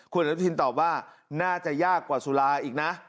คุณอนุทินตอบว่าน่าจะยากกว่าสุราอีกนะ